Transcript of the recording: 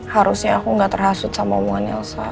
harusnya aku gak terhasut sama omongan elsa